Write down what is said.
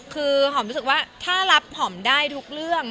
คือหอมรู้สึกว่าถ้ารับหอมได้ทุกเรื่อง